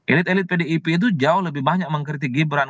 elit elit pdip itu jauh lebih banyak mengkritik gibran